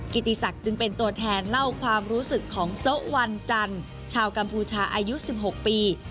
กิติศักดิ์จึงเป็นตัวแทนเล่าความรู้สึกของโซะวันจันทร์ชาวกัมพูชาอายุ๑๖ปี